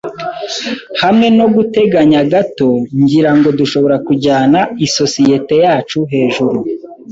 Hamwe noguteganya gato, ngira ngo dushobora kujyana isosiyete yacu hejuru.